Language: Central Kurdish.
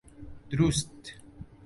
دروست!